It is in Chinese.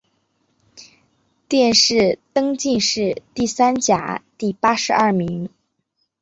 殿试登进士第三甲第八十二名。